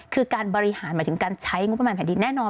คือการบริหารหมายถึงการใช้งบประมาณแผ่นดินแน่นอน